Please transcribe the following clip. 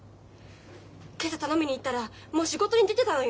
今朝頼みに行ったらもう仕事に出てたのよ。